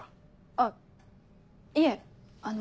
あっいえあの。